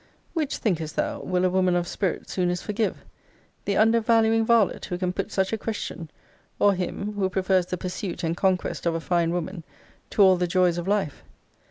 Which, thinkest thou, will a woman of spirit soonest forgive; the undervaluing varlet who can put such a question; or him, who prefers the pursuit and conquest of a fine woman to all the joys of life?